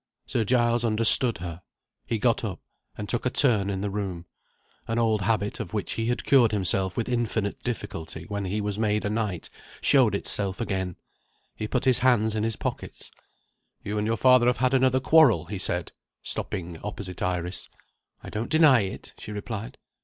Sir Giles understood her. He got up, and took a turn in the room. An old habit, of which he had cured himself with infinite difficulty when he was made a Knight, showed itself again. He put his hands in his pockets. "You and your father have had another quarrel," he said, stopping opposite Iris. "I don't deny it," she replied.